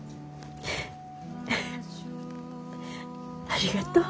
ありがとう。